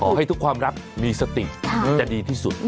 ให้ทุกความรักมีสติจะดีที่สุด